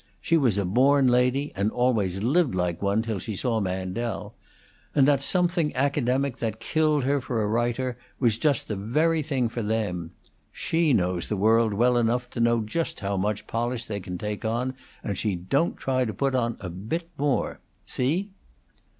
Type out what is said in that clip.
She was a born lady, and always lived like one till she saw Mandel; and that something academic that killed her for a writer was just the very thing for them. She knows the world well enough to know just how much polish they can take on, and she don't try to put on a bit more. See?"